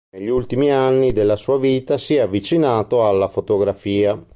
Negli ultimi anni della sua vita si è avvicinato alla fotografia.